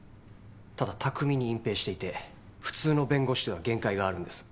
ただ巧みに隠蔽していて普通の弁護士では限界があるんです。